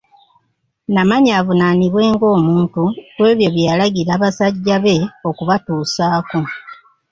Namanya avunaanibwe nga omuntu kwebyo byeyalagira basajja be okubatuusaako.